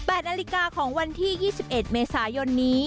นาฬิกาของวันที่๒๑เมษายนนี้